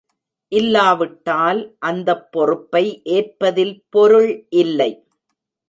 இல்லாவிட்டால் அந்தப் பொறுப்பை ஏற்பதில் பொருள் இல்லை.